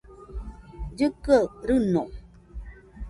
llɨkɨaɨ rɨño